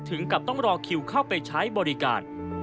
ถึงกับต้องรอคิวเข้าไปใช้บริการ